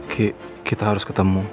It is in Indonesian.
ki kita harus ketemu